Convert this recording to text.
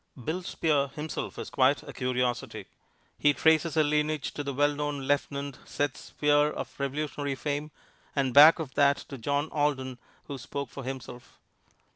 "Bill Spear" himself is quite a curiosity. He traces a lineage to the well known Lieutenant Seth Spear, of Revolutionary fame, and back of that to John Alden, who spoke for himself.